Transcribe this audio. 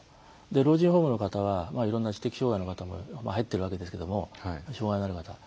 老人ホームの方はいろんな知的障害の方も入っているわけですけども障害のある方が。